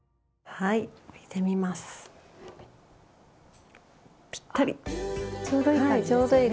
はいちょうどいい。